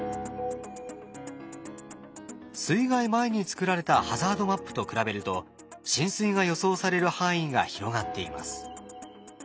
水害前に作られたハザードマップと比べると浸水が予想される範囲が広がっています。